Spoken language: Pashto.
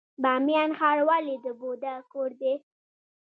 بامیان ښار ولې د بودا کور دی؟